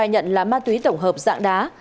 đối tượng khai nhận là ma túy tổng hợp dạng đá